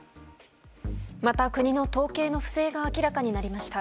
また、国の統計の不正が明らかになりました。